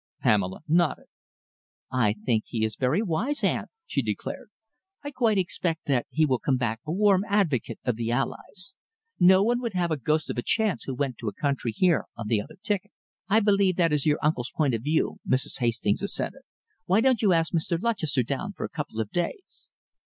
Pamela nodded. "I think he is very wise, aunt," she declared. "I quite expect that he will come back a warm advocate of the Allies. No one would have a ghost of a chance who went to the country here on the other ticket." "I believe that that is your uncle's point of view," Mrs. Hastings assented.... "Why don't you ask Mr. Lutchester down for a couple of days?"